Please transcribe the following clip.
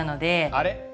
あれ？